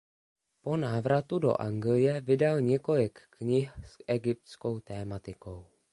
Po návratu do Anglie vydal několik knih s egyptskou tematikou.